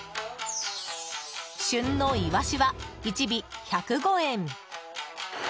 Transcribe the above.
旬のイワシは１尾１０５円。